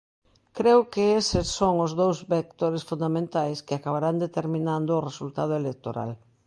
Creo que eses son os dous vectores fundamentais que acabarán determinando o resultado electoral.